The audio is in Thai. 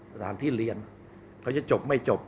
สถานที่เรียนเขาจะจบไม่จบ